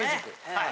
はい。